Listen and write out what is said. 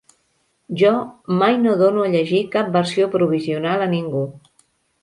Jo mai no dono a llegir cap versió provisional a ningú.